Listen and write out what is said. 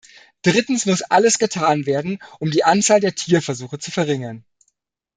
Drittens muss alles getan werden, um die Anzahl der Tierversuche zu verringern.